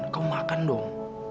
kamu makan dong